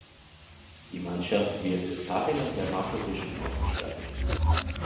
Die Mannschaft wird mit Fahrrädern der Marke Vision ausgestattet.